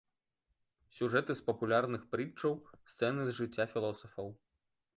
Сюжэты з папулярных прытчаў, сцэны з жыцця філосафаў.